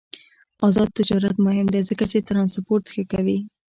آزاد تجارت مهم دی ځکه چې ترانسپورت ښه کوي.